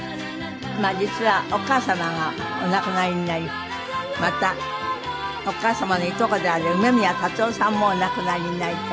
実はお母様がお亡くなりになりまたお母様のいとこである梅宮辰夫さんもお亡くなりになりと。